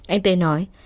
anh tê nói